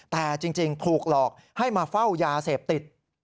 แต่จริงถูกหลอกให้มาเฝ้ายาเสพติด